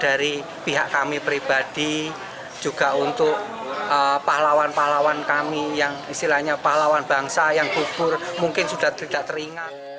dari pihak kami pribadi juga untuk pahlawan pahlawan kami yang istilahnya pahlawan bangsa yang gugur mungkin sudah tidak teringat